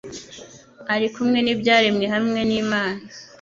ari kumwe n'ibyarenwe hamwe n'Imana.